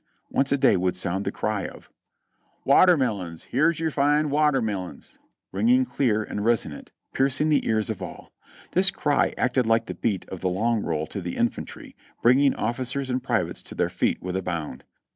Once a day would sound the cry of — "Watermillions, here's yer fine watermillions !" ringing clear and resonant, piercing the ears of all. This cry acted like the beat of the long roll to the infantry, bringing officers and pri vates to their feet with a bound.